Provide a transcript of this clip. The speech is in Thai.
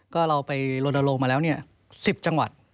ก็เราไปลนลงมาแล้ว๑๐จังหวัด